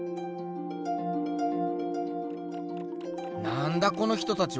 なんだこの人たちは？